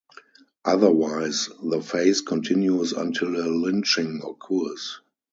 Otherwise, the phase continues until a lynching occurs.